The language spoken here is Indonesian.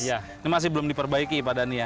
ini masih belum diperbaiki padanya